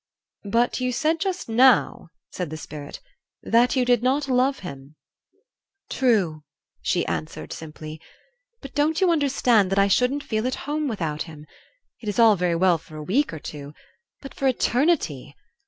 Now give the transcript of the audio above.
"But you said just now," said the Spirit, "that you did not love him." "True," she answered, simply; "but don't you understand that I shouldn't feel at home without him? It is all very well for a week or two but for eternity!